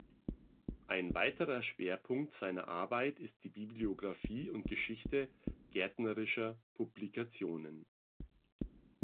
Ein weiterer Schwerpunkt seiner Arbeit ist die Bibliographie und Geschichte gärtnerischer Publikationen.